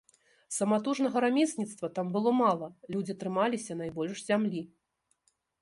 Саматужнага рамесніцтва там было мала, людзі трымаліся найбольш зямлі.